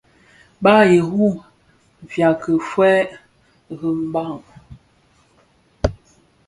Bàb i iru fyàbki fyëë rembàg.